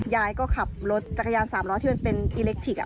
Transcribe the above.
ยายก็ขับรถจักรยาน๓ล้อที่มันเป็นอิเล็กทิก